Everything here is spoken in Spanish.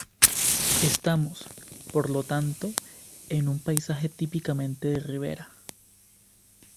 Estamos, por lo tanto, en un paisaje típicamente de ribera.